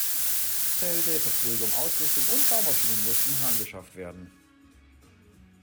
Zelte, Verpflegung, Ausrüstung und Baumaschinen mussten herangeschafft werden.